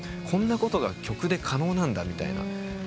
こんなことが曲で可能なんだみたいな。